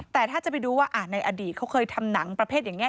แต่ถ้าจะไปดูว่าในอดีตเขาเคยทำหนังประเภทอย่างนี้